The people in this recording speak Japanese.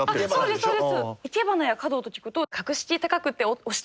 そうです。